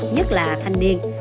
nhất là thanh niên